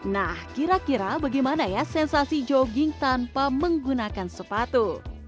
nah kira kira bagaimana ya sensasi jogging tanpa menggunakan sepatu